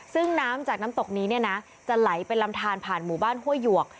ซึ่งน้ำจากน้ำตกนี้เนี่ยนะจะไหลเป็นลำทานผ่านหมู่บ้านห้วยหยวก